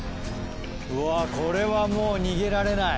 うわこれはもう逃げられない。